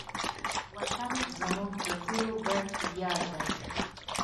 وطن زموږ د ټولو ګډ ویاړ دی.